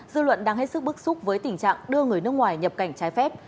dư luận đang hết sức bức xúc với tình trạng đưa người nước ngoài nhập cảnh trái phép